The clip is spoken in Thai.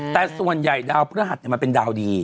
แต่ส่วนใหญ่ดาวพระหัสมันเป็นดาวดี